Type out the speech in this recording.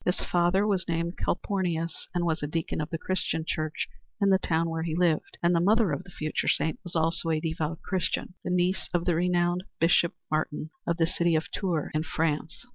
His father was named Calpornius and was a deacon of the Christian church in the town where he lived, and the mother of the future saint was also a devout Christian, the niece of the renowned Bishop Martin of the city of Tours in France.